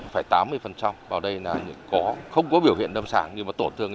phải tám mươi vào đây là những có không có biểu hiện đâm sản nhưng mà tổn thương